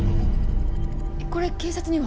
これ警察には？